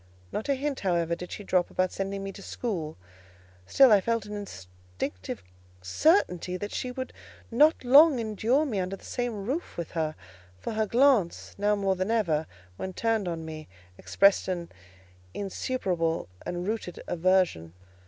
Not a hint, however, did she drop about sending me to school: still I felt an instinctive certainty that she would not long endure me under the same roof with her; for her glance, now more than ever, when turned on me, expressed an insuperable and rooted aversion.